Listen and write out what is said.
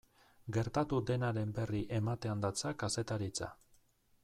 Gertatu denaren berri ematean datza kazetaritza.